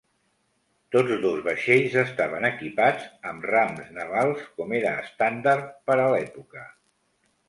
Tots dos vaixells estaven equipats amb rams navals com era estàndard per a l'època.